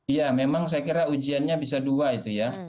iya memang saya kira ujiannya bisa dua itu ya